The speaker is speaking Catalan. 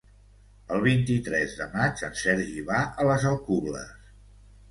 El vint-i-tres de maig en Sergi va a les Alcubles.